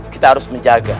kita harus menjaga